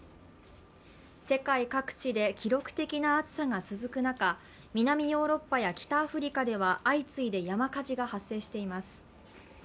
世界各地で記録的な暑さが続く中南ヨーロッパや北アフリカでは相次いで山火事が発生しています。